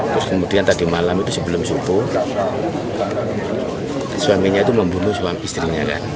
terus kemudian tadi malam itu sebelum subuh suaminya itu membunuh suami istrinya kan